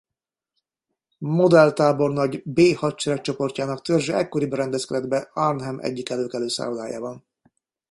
Model tábornagy B Hadseregcsoportjának törzse ekkoriban rendezkedett be Arnhem egyik előkelő szállodájában.